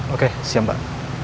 oke siap mbak